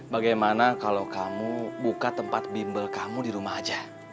bagaimana kalau kamu buka tempat bimbel kamu di rumah aja